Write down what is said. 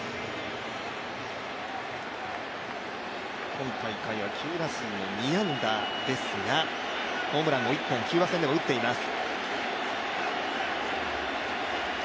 今大会は９打数２安打ですがホームランを１本、キューバ戦で打っています。